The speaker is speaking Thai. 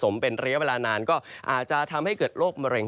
ไม่ใช่เวลานานก็อาจจะทำให้เกิดโรคมะเร็ง